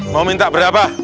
mau minta berapa